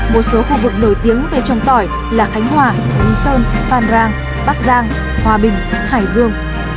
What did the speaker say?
một số khu vực nổi tiếng về trồng tỏi là khánh hòa lý sơn phan rang bắc giang hòa bình hải dương